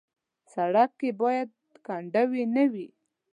سړک کې باید کندې نه وي.